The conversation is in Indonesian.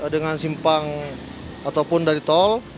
dengan simpang ataupun dari tol